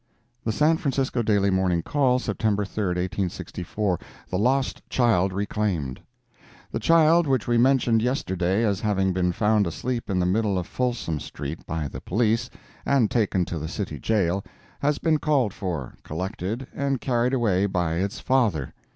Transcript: The San Francisco Daily Morning Call, September 3, 1864 THE LOST CHILD RECLAIMED The child which we mentioned yesterday as having been found asleep in the middle of Folsom street by the Police, and taken to the City Jail, has been called for, collected and carried away by its father.